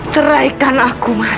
ceraikan aku mas